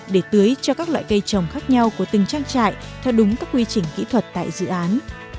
để tưới cho các loại cây trồng khác nhau của từng trang trại theo đúng các quy trình kỹ thuật tại dự án